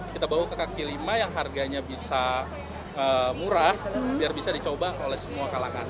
kita bawa ke kaki lima yang harganya bisa murah biar bisa dicoba oleh semua kalangan